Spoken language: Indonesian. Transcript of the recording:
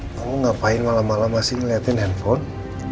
kamu ngapain malam malam masih ngeliatin handphone